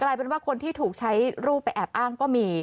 ลายเป็นว่าคนที่ถูกใช้รูปไปแอบอ้างก็มี